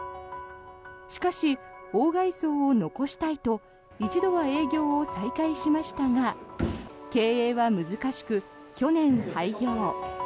しかし、鴎外荘を残したいと一度は営業を再開しましたが経営は難しく、去年廃業。